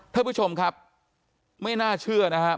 ท่านผู้ชมครับไม่น่าเชื่อนะครับ